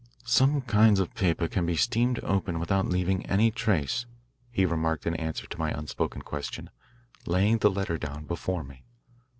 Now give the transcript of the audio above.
"Some kinds of paper can be steamed open without leaving any trace," he remarked in answer to my unspoken question, laying the letter down before me.